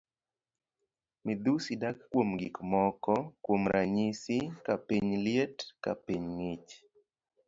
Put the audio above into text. Midhusi dak kuom gik moko kuom ranyisi ka piny liet, ka piny ng'ich.